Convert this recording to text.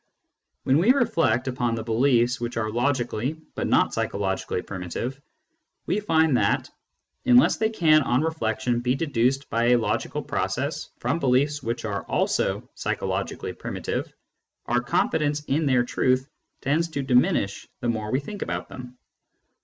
When we reflect upon the beliefs which are logically but not psychologically primitive, we find that, unless Digitized by Google 70 SCIENTIFIC METHOD IN PHILOSOPHY they can on reflection be deduced by a logical process from beliefs which are also psychologically primitive, our confidence in their truth tends to diminish the more we think about them.